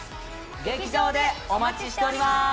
劇場でお待ちしております